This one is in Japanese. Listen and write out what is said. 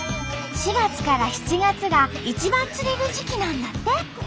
４月から７月が一番釣れる時期なんだって。